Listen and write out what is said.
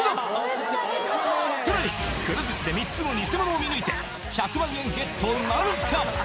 さらにくら寿司で３つのニセモノを見抜いて１００万円ゲットなるか？